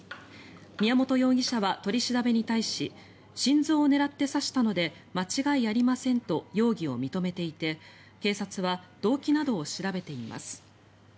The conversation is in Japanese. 宮本容疑者は取り調べに対し心臓を狙って刺したので間違いありませんと容疑を認めていて警察は動機などを調べています。